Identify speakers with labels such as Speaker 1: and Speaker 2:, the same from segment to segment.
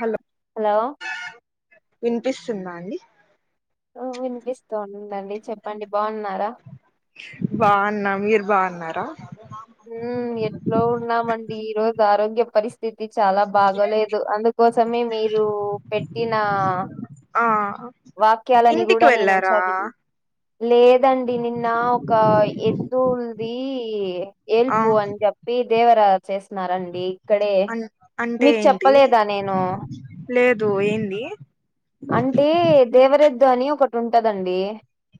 Speaker 1: Hello
Speaker 2: hello
Speaker 1: వినిపిస్తుందా అండి
Speaker 2: వినిపిస్తోందండి చెప్పండి బాగున్నారా
Speaker 1: బాగున్న మీరు బాగున్నారా
Speaker 2: హమ్ ఎట్లో ఉన్నామండి ఈ రోజు ఆరోగ్య పరి స్థితి చాలా బాగోలేదు అందుకోసమే మీరు పెట్టిన
Speaker 1: ఆ
Speaker 2: వాక్యాలని
Speaker 1: ఇంటికి
Speaker 2: కూడా నేను
Speaker 1: వెళ్ళారా
Speaker 2: చదివి లేదండి నిన్న ఒక ఎద్దులుది
Speaker 1: ఆ
Speaker 2: హెల్పు అని చెప్పి దేవరా వచ్చేస్తున్నారండి ఇక్కడే
Speaker 1: అన్ అంటే
Speaker 2: మీకు
Speaker 1: ఏంటి
Speaker 2: చెప్పలేదా నేను
Speaker 1: లేదు ఏంది
Speaker 2: అంటే దేవరెద్దు అని ఒకటి ఉంటదండి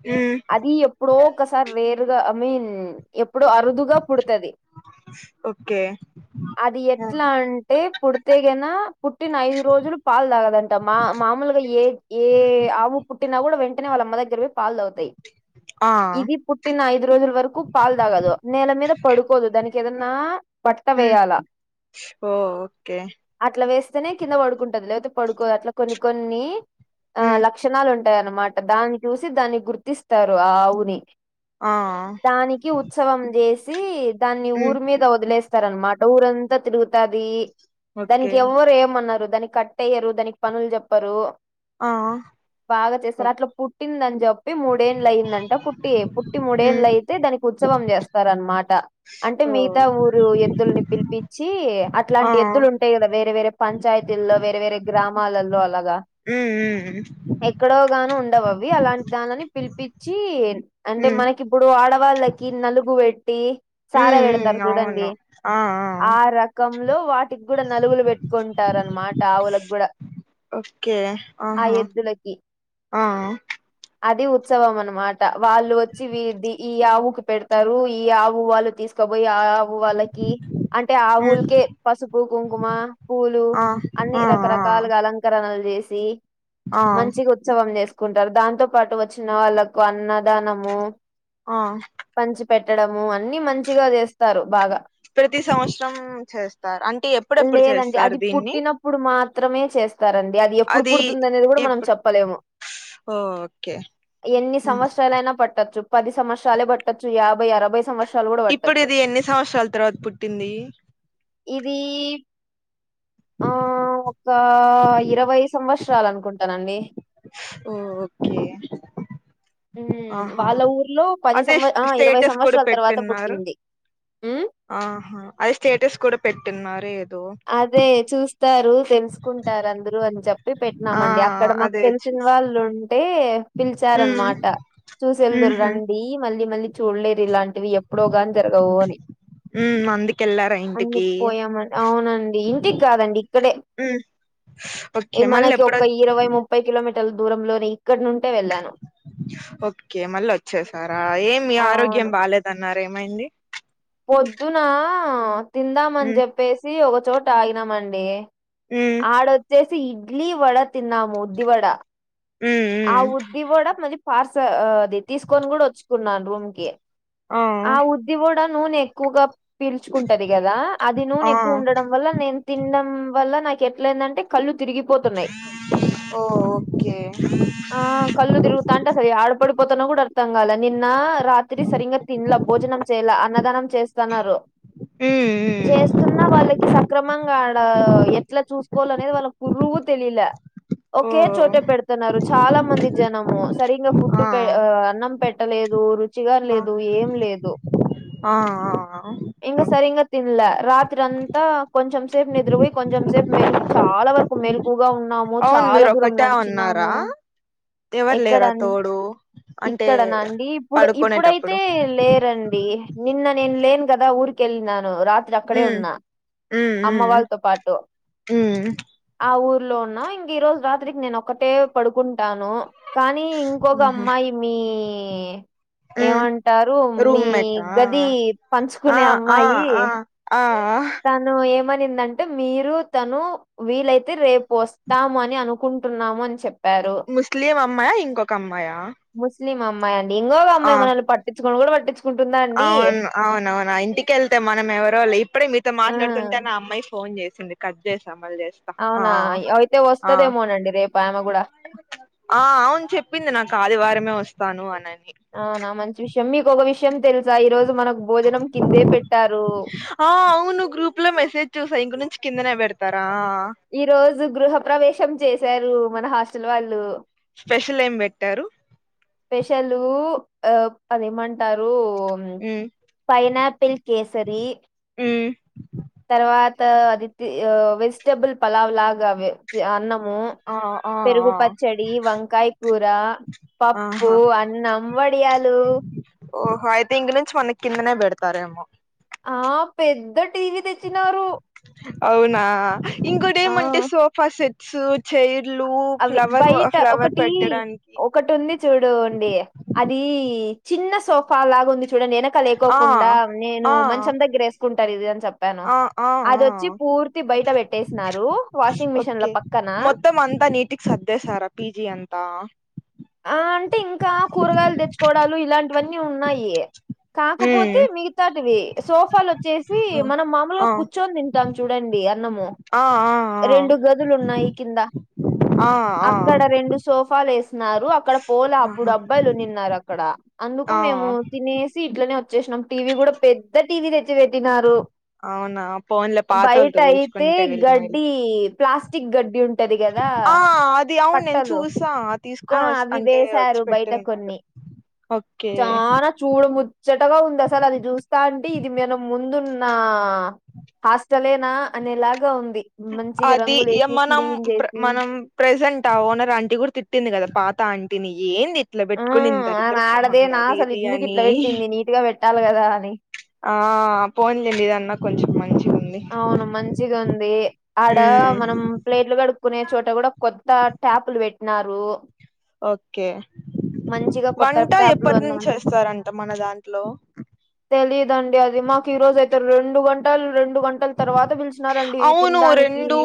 Speaker 1: మ్మ్
Speaker 2: అది ఎప్పుడో ఒకసారి రేర్ గా ఐ మీన్ ఎప్పుడో అరుదుగా పుడుతది
Speaker 1: ఓకే
Speaker 2: అది ఎట్లా అంటే పుడితేగనా పుట్టిన ఐదు రోజులు పాలు తాగదంటమ్మా మామూలుగా ఏ ఏ ఆవు పుట్టినా కూడా వెంటనే వాళ్ల అమ్మ దగ్గర పోయి పాలు తాగుతుంది ఉ
Speaker 1: ఆ
Speaker 2: ఇది పుట్టిన ఐదు రోజుల వరకు పాలు తాగదు నేల మీద పడుకోదు దానికి ఏదన్నా బట్ట
Speaker 1: మ్మ్
Speaker 2: వేయాలా
Speaker 1: ఓ ఓకే
Speaker 2: అట్లా వేస్తేనే కింద పడుకుంటది లేకపోతే పడుకోదు అట్లా కొన్ని కొన్ని ఆ ల
Speaker 1: మ్మ్
Speaker 2: లక్షణాలు ఉంటాయన్నమాట దాన్ని చూసి దాన్ని గుర్తిస్తారు ఆ ఆవుని
Speaker 1: ఆ
Speaker 2: దానికి ఉత్సవం చేసి దాన్ని
Speaker 1: మ్మ్
Speaker 2: ఊరి మీద వదిలేస్తారనమాట ఊరంతా తిరుగుతది
Speaker 1: ఓకే
Speaker 2: దానికి ఎవరు ఏమన్నారు దానికి చెయ్యరు దానికి పనులు చెప్పరు
Speaker 1: ఆ
Speaker 2: బాగా చేస్తారు అట్లా పుట్టిందని చెప్పి ముడేళ్ల అయిందంట పుట్ పుట్టి
Speaker 1: మ్మ్
Speaker 2: మడేళ్ళలు అయితే దానికి ఉత్సవం చేస్తార అనమాట అంటే
Speaker 1: ఓ
Speaker 2: మిగతా ఊరు ఎద్దుల్ని పిలిపించి
Speaker 1: ఆ
Speaker 2: అట్లాంటి ఎద్దులు ఉంటాయి వేరే వేరే పంచాయితీల్లో వేర వేర సినిమాలలో అలాగా
Speaker 1: ఉ ఉ ఉ
Speaker 2: ఎక్కడో గాన ఉండవ అవి అలాంటి దానిని పిలిపించి అంటే
Speaker 1: మ్మ్
Speaker 2: మనకి ఇప్పుడు ఆడవాళ్ళకి నలుగు పెట్టి సారా
Speaker 1: మ్మ్
Speaker 2: పెడతారు
Speaker 1: మ్మ్ అవును
Speaker 2: చూడండి
Speaker 1: ఆ
Speaker 2: ఆ రకంలో వాటికి కూడా నలుగులు పెట్టుకుంటార అనమాట ఆవులకు కూడా
Speaker 1: ఓకే ఆహా
Speaker 2: దగ్గి
Speaker 1: ఆ
Speaker 2: అది ఉత్సవం అనమాట వాళ్ళు వచ్చి వీది ఈ ఆవుకి పెడతారు ఈ ఆవు వాళ్ళు తీసుకపోయి ఆవు ఆ వాళ్ళకి అంటే ఆ
Speaker 1: మ్మ్
Speaker 2: ఊలకే పసుపు కుంకుమ పూలు
Speaker 1: ఆ
Speaker 2: అన్ని
Speaker 1: ఆ
Speaker 2: రకరకల
Speaker 1: ఆ
Speaker 2: అలంకరణలు చేసి
Speaker 1: ఆ
Speaker 2: మంచి ఉత్సవం చేసుకుంటారు దాంతో పాటు వచ్చిన వాళ్ళలకు అన్నదానము
Speaker 1: ఆ
Speaker 2: పంచి పెట్టడము అన్ని మంచిగా చేస్తారు బాగా
Speaker 1: ప్రతి సంవత్సరం చేస్తారు అంటే ఎప్పుడెప్పుడు చేస్తారు దీన్ని
Speaker 2: ఇప్పుడు మాత్రమే చేస్తారండి అది ఎప్పుడు పుడుతుంది అనేది కూడా మనం
Speaker 1: ఎప్పుడు
Speaker 2: చెప్పలేము
Speaker 1: ఓకే
Speaker 2: ఎన్ని
Speaker 1: ఉమ్.
Speaker 2: సంవత్సరాలయినా పట్టచ్చు పది సంవత్సరాలే పట్టొచ్చు యాభై అరభై సంవత్సరలు
Speaker 1: ఇప్పుడు ఇది ఎన్ని సంవత్సరాల తర్వాత పుట్టింది
Speaker 2: ఇది ఆ ఒక ఇరవై సంవత్సరాలు అనుకుంటానండి
Speaker 1: ఓ ఓకే
Speaker 2: హ్మ్.
Speaker 1: ఆహా
Speaker 2: వాళ్ళ ఊర్లో పది
Speaker 1: అదే
Speaker 2: సంవ ఆ ఇరవై
Speaker 1: స్టేటస్ కూడా
Speaker 2: సంవత్సరాల తర్వాత
Speaker 1: పెట్టిన్నారు
Speaker 2: పుట్టింది ఉ
Speaker 1: ఆహా అది స్టేటస్ కూడా పెట్టిన్నారు ఏదో
Speaker 2: ఇస్తారు తెలుసుకుంటారు అందరు అని చెప్పారు చెప్పి
Speaker 1: ఆ
Speaker 2: పెట్టినామండి అక్కడ మాకు
Speaker 1: అదే
Speaker 2: తెలిసిన
Speaker 1: చూసా
Speaker 2: వాళ్ళు ఉంటే
Speaker 1: ఉమ్
Speaker 2: పిలిచారనమాట చూసెళ్దురు
Speaker 1: ఉహు
Speaker 2: రండి మళ్ళీ మళ్ళీ చూడలేరు ఇలాంటివి ఎప్పుడో గాని జరగవు అని
Speaker 1: ఉమ్ అందుకెళ్ళారా ఇంటికి
Speaker 2: అందుకు పోయామ అవునండి ఇంటికి కాదండి ఇక్కడే
Speaker 1: హ్మ్
Speaker 2: ఏ
Speaker 1: ఓకే మళ్ళీ
Speaker 2: మనకి
Speaker 1: ఎప్పుడొ
Speaker 2: ఒక ఇరవై ముప్పై కిలోమీటర్ల దూరంలోని ఇక్కడ నుంటే వెళ్ళాను
Speaker 1: ఓకే మళ్ళ అచ్చేసారా ఏమి ఆరోగ్యం
Speaker 2: అవును
Speaker 1: బాలేదన్నారేమైంది
Speaker 2: పొద్దునా తిందామని
Speaker 1: ఉమ్
Speaker 2: చెప్పేసి ఒక చోట ఆగినమండి
Speaker 1: హ్మ్
Speaker 2: ఆడొచ్చేసి ఇడ్లీ వడ తిన్నాము ఉద్ది వడ
Speaker 1: హ్మ్
Speaker 2: ఆ ఉద్ది వడ మళ్ళి పార్సల్ అది తీసుకొని కూడా వచ్చుకున్నాను రూమ్ కి ఆ ఉద్ది కూడా నూనె ఎక్కువగా పీల్చుకుంటది కదా అది
Speaker 1: ఆ
Speaker 2: నూనె ఎక్కువ ఉండడం వల్ల నేను తినడం వల్ల నాకు ఎట్లయిందంటే కళ్ళు తిరిగిపోతున్నాయ్
Speaker 1: ఓ ఓకే
Speaker 2: ఆ కళ్ళు తిరుగుతాంటే అసలు యాడ పడిపోతానో కూడా అర్థం కాలే నిన్న రాత్రి సరింగా తిన్లా భోజనం చెయ్లా అన్నదానం చేస్తానారు
Speaker 1: హ్మ్
Speaker 2: చేస్తున్నా వాళ్ళకి సక్రమంగా ఆడ ఎట్లా చూసుకోవాల అనేది వాళ్ళ ఊరువ్వు తెలీలా
Speaker 1: ఓ
Speaker 2: ఒకే చోట పెడతన్నారు చాలా మంది జనము సరింగా ఫుడ్
Speaker 1: ఆ
Speaker 2: అన్నం పెట్టలేదు రుచిగా
Speaker 1: ఆ
Speaker 2: లేదు ఏం లేదు
Speaker 1: ఆ ఆ
Speaker 2: ఇంగ సరింగా తిన్లా రాత్రి అంతా కొంచెం సేపు నిద్ర పోయి కొంచెం సేపు మేల్ చాలా వరకు మెలుకువగా ఉన్నాము
Speaker 1: అవును
Speaker 2: చాలా
Speaker 1: మీరు
Speaker 2: దూరం
Speaker 1: ఒకటే ఉన్నారా
Speaker 2: నడిచినాము
Speaker 1: ఎవరు
Speaker 2: ఎక్కడ
Speaker 1: లేరా తోడు అంటే
Speaker 2: ఇక్కడనా అండి ఇప్పుడు ఇప్పుడైతే
Speaker 1: పడుకునేటప్పుడు
Speaker 2: లేరండి నిన్న నేన్ లేన్ కదా ఊర్కెళ్ళి నాను రాత్రి అక్కడే
Speaker 1: మ్మ్
Speaker 2: ఉన్నా
Speaker 1: మ్మ్
Speaker 2: అమ్మ వాళ్ళతో పాటు
Speaker 1: మ్మ్
Speaker 2: ఆ ఊర్లో ఉన్నాం ఇంక ఈ రోజు రాత్రికి నేను ఒక్కటే పడుకుంటాను కానీ ఇంకొక
Speaker 1: మ్మ్
Speaker 2: అమ్మాయి మీ
Speaker 1: మ్మ్
Speaker 2: ఏమంటారు మీ
Speaker 1: రూమ్మేటా
Speaker 2: గది
Speaker 1: ఆ
Speaker 2: పంచుకునే
Speaker 1: ఆ
Speaker 2: అమ్మాయి
Speaker 1: ఆ ఆ
Speaker 2: తను ఏమనిందంటే మీరు తను వీలైతే రేపు వస్తాము అని అనుకు కుంటున్నాము అని చెప్ప్
Speaker 1: ముస్లిం అమ్మాయా ఇంకొక అమ్మాయా
Speaker 2: ముస్లిం అమ్మాయి అండి ఇంకోక
Speaker 1: ఆ
Speaker 2: అమ్మాయి మనల్ని పట్టించుకోను కూడా పట్టిచు
Speaker 1: అవును అవునవును ఇంటికెల్తే మనం ఎవరోలే ఇప్పుడే మీతో
Speaker 2: ఆ
Speaker 1: మాట్లాడుతుంటేనే ఆ అమ్మాయి ఫోన్ చేసింది కట్ చేసా మల్చేస్తా
Speaker 2: అవునా అయితే వస్తదేమోనండి రేపు ఆమె కూడా
Speaker 1: ఆ అవును చెప్పింది నాకు ఆదివారమే వస్తాను అనని
Speaker 2: అవునా మంచి విషయం మీకొక విషయం తెలుసా ఈ రోజు మనకు భోజనం కిందే పెట్టారు
Speaker 1: ఆ అవును గ్రూప్ లో మెసేజ్ చూసా ఇంక నుంచి కిందనే పెడతారా
Speaker 2: ఈ రోజు గృహ ప్రవేశం చేశారు మన హాస్టల్ వాళ్ళు
Speaker 1: స్పెషల్ ఏం పెట్టారు
Speaker 2: స్పెషలూ అది ఏమంటారు
Speaker 1: ఉమ్
Speaker 2: పైనాపిల్ కేసరి
Speaker 1: హ్మ్
Speaker 2: తర్వాత అది వెజిటెబుల్ పలావ్ లాగా అన్నము
Speaker 1: ఆ ఆ
Speaker 2: పెరుగు
Speaker 1: ఆ
Speaker 2: పచ్చడి వంకాయ కుర పప్పు
Speaker 1: ఆహా
Speaker 2: అన్నం వడియాలు
Speaker 1: ఓహో అయితే ఇంగ్ నుంచి మన కిందనే బెడతారేమో
Speaker 2: ఆ పెద్ద టీవీ తెచ్చినారు
Speaker 1: అవునా ఇంకోటి
Speaker 2: ఆ
Speaker 1: ఏమంటే సోఫా సెట్స్ చైర్ లుూ
Speaker 2: అవి
Speaker 1: ఫ్లవర్
Speaker 2: బయట
Speaker 1: ఫ్లవర్
Speaker 2: ఒకటి
Speaker 1: పెట్టడానికి
Speaker 2: ఒకటి ఉంది చూడుండి అది చిన్న సోఫా లాగా ఉంది చూడండి వెనక
Speaker 1: ఆ
Speaker 2: లేకోకుండా నేను
Speaker 1: ఆ
Speaker 2: మంచం దగ్గర వేసుకుంటారు ఇది అని చెప్ప చెప్పాను
Speaker 1: ఆ ఆ ఆ
Speaker 2: అదిచ్చి పూర్తి బయట పెట్టేసినారు వాషింగ్ మిషిన్ ల
Speaker 1: ఓకే
Speaker 2: పక్కన
Speaker 1: మొత్తం అంతా నీటికి సర్దేసార పిజి అంత
Speaker 2: ఆ అంటే ఇంకా కూరగాయలు తెచ్చుకోవడాలు ఇలాంటివన్నీ ఉన్నాయి కాకపోతే
Speaker 1: ఉమ్
Speaker 2: మిగతాటివి సోఫాలు వచ్చేసి మనం మామూలుగా
Speaker 1: ఆ
Speaker 2: కూర్చోని చస్తాం చూడండి అన్నము
Speaker 1: ఆ ఆ
Speaker 2: రెండు గదులు ఉన్నాయి కింద
Speaker 1: ఆ ఆ
Speaker 2: అక్కడ రెండు సోఫాలు వేసినరు అక్కడ పోల అప్పుడు
Speaker 1: ఆహా
Speaker 2: అబ్బాయిలు ఉండిన్నారు అక్కడ అందుకు
Speaker 1: ఆ
Speaker 2: మేము తినేసి ఇట్లనే వచ్చేసినాం టీవీ కూడా పెద్ద టీవీ తెచ్చి పెట్టినారు
Speaker 1: అవునా పోన్లే
Speaker 2: బయట
Speaker 1: పాతోళ్ళతో
Speaker 2: అయితే
Speaker 1: పోల్చుకుంటే వీళ్ళు మేలు
Speaker 2: గడ్డి ప్లాస్టిక్ గడ్డి ఉం టది కదా
Speaker 1: ఆ అది అవును నేను
Speaker 2: పట్టలు
Speaker 1: చూసా
Speaker 2: ఆ
Speaker 1: తీసుకొని వస్
Speaker 2: అవి
Speaker 1: అంటే వచ్చి
Speaker 2: వేశారు బయట
Speaker 1: పెట్టున్నాడు
Speaker 2: కొన్ని
Speaker 1: ఓకే
Speaker 2: చానా చూడ ముచ్చటగా ఉంది అసలు అది చూస్తా అంటి ఇది మేన ముందున్న హాస్టలేనా అనేలాగా ఉంది మంచిగా
Speaker 1: అది ఇగ
Speaker 2: రంగులేసి
Speaker 1: మనం
Speaker 2: క్లీన్
Speaker 1: ప్ర
Speaker 2: చేసి
Speaker 1: మనం ప్రెజెంట్ ఆ ఓనర్ ఆంటీ కూడా తిట్టింది కదా పాత ఆంటీని ఏంది ఇట్లా
Speaker 2: ఆ
Speaker 1: పెట్టుకుని
Speaker 2: ఆమె
Speaker 1: దరిద్రం మొహంది
Speaker 2: ఆడదేనా
Speaker 1: అది
Speaker 2: అసలు
Speaker 1: ఇది
Speaker 2: ఎందుకు
Speaker 1: అని
Speaker 2: ఇట్లా పెట్టింది నీట్ గా పెట్టాలి కదా అని
Speaker 1: ఆ పోన్లేండి ఇదన్న కొంచెం మంచి ఉంది
Speaker 2: అవును మంచిగా ఉంది ఆడ
Speaker 1: ఉమ్
Speaker 2: మనం ప్లేట్లు కడుక్కునే చోట కూడా కొత్త ట్యాపులు పెట్టినారు
Speaker 1: ఓకే
Speaker 2: మంచిగా కొత్త
Speaker 1: వంట
Speaker 2: ట్యాపులు
Speaker 1: ఎప్పటి నుంచి
Speaker 2: అన్నమాట
Speaker 1: చేస్తారంట మన దాంట్లో
Speaker 2: తెలిదండి అది మాకు ఈ రోజ అయితే రెండు గంటలు రెండు గంటల తర్వాత పిలిచి న్నారండి
Speaker 1: అవును
Speaker 2: తినడానికి
Speaker 1: రెండు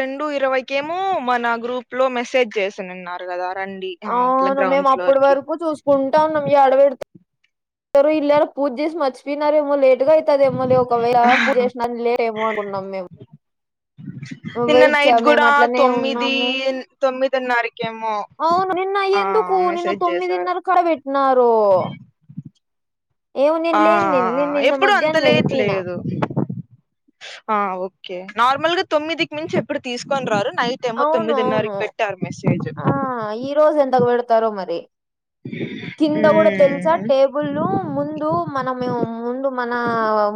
Speaker 1: రెండు ఇరవైకేమో మన గ్రూప్ లో మెసేజ్ చేసినున్నారు కదా రండి ఆ ఇట్లా
Speaker 2: అవును
Speaker 1: గ్రౌండ్
Speaker 2: మేము
Speaker 1: ఫ్లోర్
Speaker 2: అప్పటి
Speaker 1: కి
Speaker 2: వరకు చూసు కుంటా ఉన్నం అడవిడత ఇల్రు పూజెసి మరీచిపోనారేమో లే అట్గా అయితే అదేమో లే ఒకవేళ పూజ చేసినా లేమో అనుకుంటన్నాం మేము
Speaker 1: నిన్న
Speaker 2: వెయిట్ చే
Speaker 1: నైట్
Speaker 2: మేము
Speaker 1: కూడా
Speaker 2: అట్లనే
Speaker 1: తొమ్మిది
Speaker 2: ఉన్నాము
Speaker 1: తొమ్మిదిన్నరకేమో
Speaker 2: అవును నిన్న
Speaker 1: ఆ
Speaker 2: ఎందుకు నిన్న
Speaker 1: మెసేజ్
Speaker 2: తొమ్మిది
Speaker 1: చేసారు
Speaker 2: న్నర కడ పెట్టినారు ఏమో నేను
Speaker 1: ఆ
Speaker 2: లేను నిన్ను నేను నిన్న
Speaker 1: ఎప్పుడు అంత
Speaker 2: మధ్యాహ్నం
Speaker 1: లేట్
Speaker 2: వెళ్ళిపోయిన
Speaker 1: లేదు ఆ ఓకే నార్మల్ గా తొమ్మిదికి మించి ఎప్పుడు తీసుకొని రారు నైట్ టెమో
Speaker 2: అవును అవును
Speaker 1: తొమ్మిదిన్నరకి పెట్టారు మెసేజ్
Speaker 2: ఆ ఈ రోజు ఎంతకు పెడతారో మరి కింద కూడా తెలిసా
Speaker 1: ఉమ్
Speaker 2: టేబుల్ను ముందు మనమే ముందు మన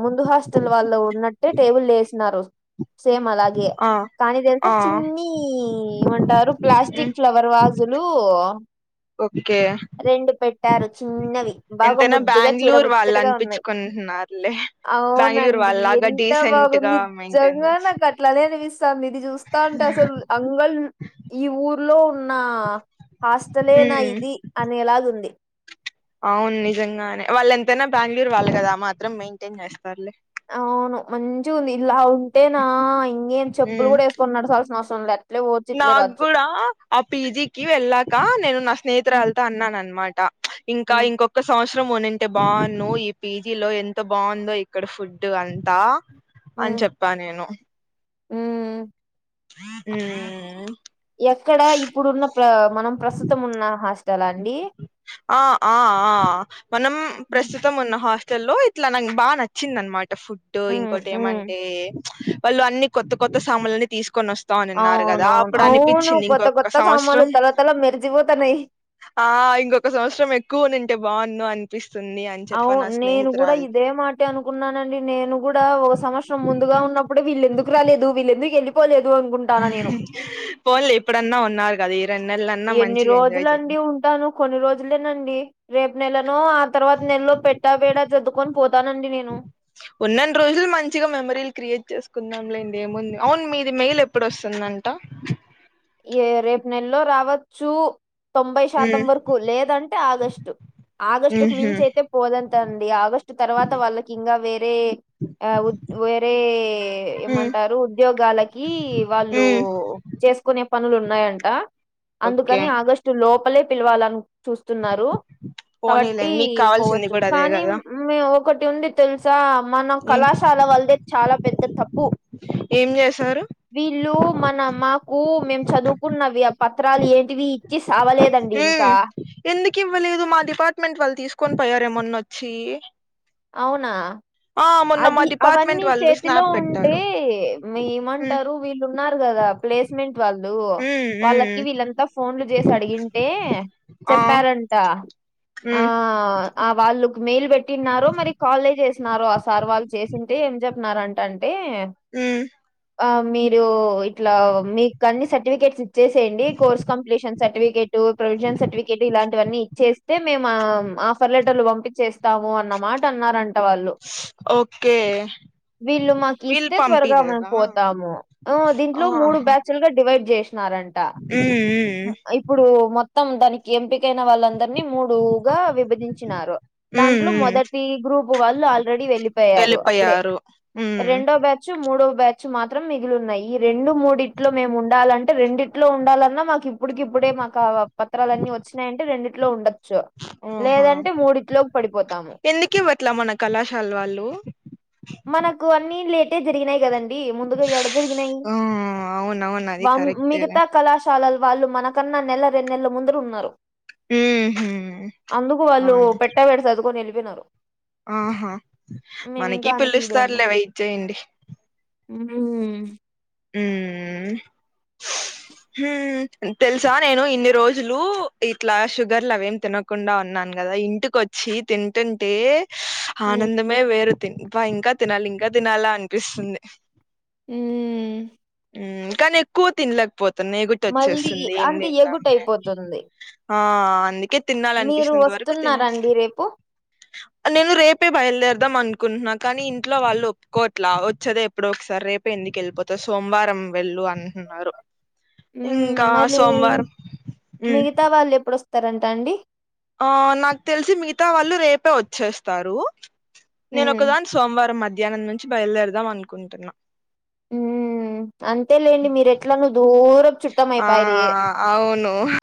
Speaker 2: ముందు హాస్టల్ వాళ్ళు ఉన్నట్ టే టేబుల్ లేసినారు సేమ్ అలాగే
Speaker 1: ఆ
Speaker 2: కానీ
Speaker 1: ఆ
Speaker 2: దానికమ్ చిన్ని ఏమంటారు ప్లాస్టిక్
Speaker 1: ఉమ్
Speaker 2: ఫ్లవర్ వాజులు
Speaker 1: ఓకే
Speaker 2: రెండు పెట్టారు చిన్నవి బాగా
Speaker 1: ఎంతైనా
Speaker 2: ముద్దుగా
Speaker 1: బెంగళూరు వాళ్ళు
Speaker 2: చూడముచ్చటగా ఉన్నాయి
Speaker 1: అనిపించుకుంటున్నారులే బెంగళూరు
Speaker 2: అవునండి
Speaker 1: వాళ్ళలాగా
Speaker 2: ఎంత
Speaker 1: డీసెంట్ గా
Speaker 2: బాగుంది
Speaker 1: మెయింటైన్
Speaker 2: నిజంగా
Speaker 1: చేస్
Speaker 2: నాకు అట్లనే అనిపిస్తాంది ఇది చూస్తాంటే అసలు అంగల్ ఈ ఊర్లో ఉన్న హాస్టలేనా
Speaker 1: ఉమ్
Speaker 2: ఇది అనేలాగుంది
Speaker 1: అవును నిజంగానే వాళ్ళు ఎంతైనా బెంగళూరు వాళ్ళు కదా ఆ మాత్రం మెయింటైన్ చేస్తారులే
Speaker 2: అ అవును మంచిగుంది ఇలా ఉం టేనా ఇంకేం చెప్పులు
Speaker 1: ఉమ్
Speaker 2: కూడా వేసుకొని నడచాల్సిన అవసరం లే అట్లే పోవచ్చు ఇట్లే
Speaker 1: నాకు
Speaker 2: రావచ్చు
Speaker 1: కూడా ఆ పీజికి వెళ్ళాక నేను నా
Speaker 2: హ్మ్.
Speaker 1: స్నేహితురాలతో అన్నాను అనమాట ఇంకా
Speaker 2: హ్మ్.
Speaker 1: ఇంకొక సంవత్సరం రం ఉనింటే బాగును ఈ పీజీ లో ఎంత బాగుందో ఇక్కడ ఫుడ్ అంతా అని చెప్పా నేను
Speaker 2: ఉ
Speaker 1: ఉ
Speaker 2: ఎక్కడ ఇప్పుడున్న ప్ర మనం ప్రస్తుతం ఉన్న హాస్టలా అండి
Speaker 1: ఆ ఆ ఆ మనం
Speaker 2: హ్మ్.
Speaker 1: ప్రస్తుతం ఉన్న హాస్టల్ల్లో ఇట్లా నాకు బాగా నచ్చ నచ్చిందన్నమాట ఫుడ్
Speaker 2: హ్మ్.
Speaker 1: ఇంకోటి
Speaker 2: హ్మ్.
Speaker 1: ఏమంటే వాళ్ళు అన్ని కొత్త కొత్త సామాన్లన్నీ తీసుకొని వస్త అనిన్నారు కదా
Speaker 2: అవునవును.
Speaker 1: అప్పుడు
Speaker 2: అవును.
Speaker 1: అనిపించింది
Speaker 2: కొత్త
Speaker 1: ఇంకొక
Speaker 2: కొత్త
Speaker 1: సంవత్సరం
Speaker 2: సామాన్లు తల తల మెరిసిపోతన్నాయి.
Speaker 1: ఆ ఇంకొక సంవత్సరం ఎక్కువునుంటే బాగును అనిపిస్తుంది అ
Speaker 2: అవును నేను కూడా ఇదే మాట ట అనుకున్నానండి నేను కూడా ఒక సంవత్సరం ముందుగా ఉన్నప్పుడే వీళ్ళు ఎందుకు రాలేదు వీళ్ళెందుకు వెళ్ళి పోలేదు అనుకుంటాన నేను
Speaker 1: పోన్లే ఇప్పుడన్నా ఉన్నారు కదా ఈ రెండు నెలలన్నా మంచిగా ఎంజాయ్ చేయండి
Speaker 2: టాను కొన్ని రోజులేనండి రేపు నెలనో ఆ తర్వాత నెలలో పెట్టా పేడా సర్దుకొని పోతానండి నేను
Speaker 1: ఉన్నన్ని రోజులు మంచిగ మెమరీలు క్రియేట్ చేసుకుందాం లేండి ఏముంది అవును మీది మెయిల్ ఎప్పుడోస్తుందంట
Speaker 2: ఏ రేపు నెలలో రావచ్చు తొంభై శాతం
Speaker 1: ఉమ్,
Speaker 2: వరకు లేదంటే ఆగస్టు ఆగస్టుకు
Speaker 1: ఉహు,
Speaker 2: మించి అయితే పోదంతండి ఆగస్టు తర్వాత వాళ్ళకి ఇంకా వేరే ఆ వేరే
Speaker 1: ఉమ్,
Speaker 2: ఏమంటారు ఉద్యోగాలకి వాళ్ళు
Speaker 1: ఉమ్,
Speaker 2: కొనే పనులు ఉన్నాయంట
Speaker 1: ఓకే
Speaker 2: అందుకని ఆగస్టు లోపలే పిలవాలని చూస్తున్నారు కాబట్టి
Speaker 1: పోనీలేండి మీకు కావాల్సింది
Speaker 2: పోవచ్చు
Speaker 1: కూడా అదే
Speaker 2: కానీ
Speaker 1: కదా
Speaker 2: మీ ఒకటి ఉంది తెలుసా మన
Speaker 1: ఏం
Speaker 2: కళాశాల వాళ్ళదే చాలా పెద్ద తప్పు
Speaker 1: ఏం చేసారు
Speaker 2: వీళ్ళు మన మాకు మేము చదువుకున్నవి ఆ పత్రాలు ఏంటివి ఇచ్చి సావలేదు
Speaker 1: ఉ ఎందుకు ఇవ్వలేదు మా డిపార్ట్మెంట్ వాళ్ళు తీసుకొని పోయారే మొన్నొచ్చి
Speaker 2: అవునా
Speaker 1: ఆ మొన్న మా
Speaker 2: అది
Speaker 1: డిపార్ట్మెంట్
Speaker 2: అవన్నీ
Speaker 1: వాళ్ళు
Speaker 2: చేతిలో
Speaker 1: స్నాప్
Speaker 2: ఉంటే
Speaker 1: పెట్టారు మ్మ్
Speaker 2: ఏమంటారు వీళ్ళు ఉన్నారు కదా ప్లేస్మెంట్ వాళ్ళు
Speaker 1: మ్మ్
Speaker 2: వాళ్ళకి
Speaker 1: మ్మ్
Speaker 2: వీళ్ళంతా ఫోన్లు చేసి అడిగింటే
Speaker 1: ఆ
Speaker 2: చెప్పారంట ఆ
Speaker 1: మ్మ్
Speaker 2: ఆ వాళ్ళకు మెయిల్ పెట్టినారో మరి కాలే చేసినారో ఆ సార్ వాళ్ళు చేసింటే ఏం చెప్పినారంట అంటే
Speaker 1: మ్మ్
Speaker 2: మీరు ఇట్లా మీకు అన్ని సర్టిఫికేట్స్ ఇచ్చేసేయండి course completion certificate provision certificate ఇలాంటివన్నీ ఇచ్చే స్తే మేము ఆఫర్ లెటర్లు పంపించేస్తాము అన్నమాట అన్నారంట వాళ్ళు
Speaker 1: ఓకే
Speaker 2: వీళ్ళు మాకు
Speaker 1: వీళ్ళు
Speaker 2: ఇస్తే త్వరగా మేము
Speaker 1: పంపిలేదా
Speaker 2: పోతాము దీంట్లో మూడు
Speaker 1: ఆహా
Speaker 2: బ్యాచ్ చులుగా డివైడ్ చేసినారంట
Speaker 1: మ్మ్ మ్మ్
Speaker 2: ఇప్పుడు మొత్తం దానికి ఎంపిక అయిన వాళ్ళందరినీ మూడుగా విభజించినారు
Speaker 1: మ్మ్
Speaker 2: దాంట్లో
Speaker 1: మ్మ్
Speaker 2: మొదటి గ్రూప్ వాళ్ళు ఆల్రెడీ వెళ్లిపోయారు అప్పుడే
Speaker 1: వెళ్ళిపోయారు మ్మ్
Speaker 2: రెండో బ్యా చ్ మూడో బ్యాచ్ మాత్రం మిగిలిన్నాయి ఈ రెండు మూడిట్లో మేము ఉండాలంటే రెండి ట్లో ఉండాలన్నా మాకు ఇప్పుడుకి ఇప్పుడే మాకు ఆ పత్రాలులన్నీ వచ్చినాయంటే రెండిట్లో ఉండ చ్చు
Speaker 1: ఓహా
Speaker 2: లేదంటే మూడిట్లోకి పడిపోతాము
Speaker 1: కే ఇవ్వట్ల మన కళాశాల వాళ్ళు
Speaker 2: మనకు అన్ని లేటే జరిగినాయి కదం డి ముందుగా యడ జరిగినాయి
Speaker 1: ఆ అవునవును అది
Speaker 2: వామ్
Speaker 1: కరెక్టేలే
Speaker 2: మిగతా కళా శాలల వాళ్ళు మనకన్నా నెల రెన్నేళ్లు ముందుర ఉన్నారు
Speaker 1: మ్మ్ హ్మ్
Speaker 2: అందుకు వాళ్ళు
Speaker 1: అవును
Speaker 2: పెట్టబేడి సర్దుకుని ఎళ్ళిపోయినారు
Speaker 1: ఆహా
Speaker 2: ఇంకా
Speaker 1: మనకి
Speaker 2: అందుకే
Speaker 1: పిలుస్తారులే వెయిట్ చేయండి
Speaker 2: ఉమ్మ్
Speaker 1: ఉమ్మ్
Speaker 2: చె
Speaker 1: ఉమ్మ్ తెలుసా నేను ఇన్ని రోజులు ఇట్లా షుగర్లు అవేం తిన కుండా ఉన్నాను కదా ఇంటికోచ్చి తింటుంటే
Speaker 2: ఉమ్.
Speaker 1: ఆనందమే వేరు తిన్ ప ఇంకా తినాలి ఇంకా తినాలా అనిపిస్తుంది
Speaker 2: ఉమ్మ్
Speaker 1: ఉమ్మ్ కానీ ఎక్కువ తినలేకపోతున్నా ఎకుటి
Speaker 2: మళ్ళీ
Speaker 1: వచ్చేస్తుంది ఏం
Speaker 2: అంటే ఎగుట
Speaker 1: తింటాంలే అని
Speaker 2: అయిపోతుంది
Speaker 1: ఆ అందుకే
Speaker 2: మీరు
Speaker 1: తినాలనిపిచ్చినంత వరకు
Speaker 2: వస్తున్నారా
Speaker 1: తినేసా.
Speaker 2: అండి రేపు
Speaker 1: నేను రేపే బయలుదేరుదాం అనుకుంటున్నా కానీ ఇంట్లో వాళ్ళు ఒప్పుకోవట్లా వచ్చేది ఎప్పుడో ఒకసారి రేపే ఎందుకు ఎళ్ళిపో తావ్ సోమవారం వెళ్ళు అంటున్నారు
Speaker 2: ఉమ్మ్
Speaker 1: ఇంకా
Speaker 2: మళ్ళీ
Speaker 1: సోమవారం మ్
Speaker 2: మిగతా వాళ్ళు ఎప్పుడోస్తారంట అండి
Speaker 1: ఆ నాకు తెలిసి మిగతా వాళ్ళు రేపే వచ్చేస్తారు నేన
Speaker 2: హ్మ్
Speaker 1: ఒకదాని సోమవారం మధ్యాహ్నం నుంచి బయలుదేరదాం అనుకుంటున్నా
Speaker 2: ఉమ్మ్ అంతే లేండి మీరు ఎట్లనో దూరపు చుట్టం
Speaker 1: ఆ
Speaker 2: అయిపాయిరి
Speaker 1: అవును